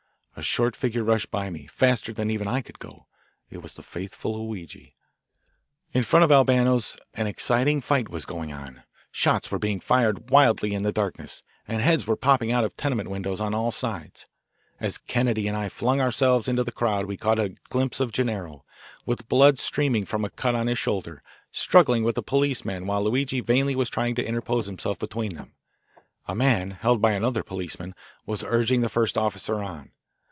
A short figure rushed by me, faster even than I could go. It was the faithful, Luigi. In front of Albano's an exciting fight was going on. Shots were being fired wildly in the darkness, and heads were popping out of tenement windows on all sides. As Kennedy and I flung ourselves into the crowd we caught a glimpse of Gennaro, with blood streaming from a cut on his shoulder, struggling with a policeman while Luigi vainly was trying to interpose himself between them. A man, held by another policeman, was urging the first officer on.